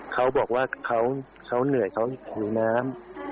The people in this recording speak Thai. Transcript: เขาบอกว่าเขาเหนื่อยมีแนม